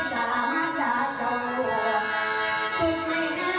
น้ำไหลมายุ่งสูงเมียดิน